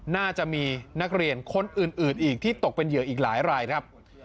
น่าจะมีนักเรียนคนอื่นอีกที่ตกเป็นเหยื่ออีกหลายรายครับ